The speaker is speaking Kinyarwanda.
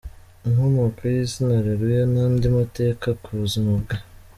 Inkomoko y’Izina Areruya n’Andi mateka ku buzima bwe.